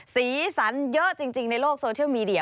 สีสันเยอะจริงในโลกโซเชียลมีเดีย